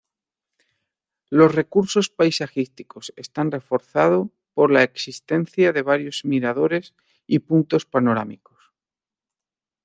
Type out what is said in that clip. Los recursos paisajísticos están reforzado por la existencia de varios miradores y puntos panorámicos.